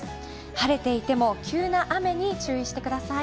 晴れていても急な雨に注意してください。